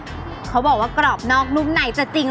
เพราะว่าผักหวานจะสามารถทำออกมาเป็นเมนูอะไรได้บ้าง